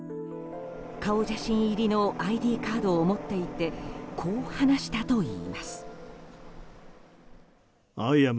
顔写真入りのＩＤカードを持っていてこう話したといいます。